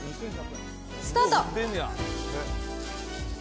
スタート。